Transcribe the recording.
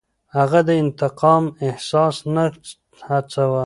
هغه د انتقام احساس نه هڅاوه.